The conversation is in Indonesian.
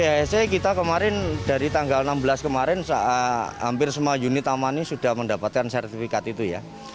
ihsg kita kemarin dari tanggal enam belas kemarin hampir semua unit taman ini sudah mendapatkan sertifikat itu ya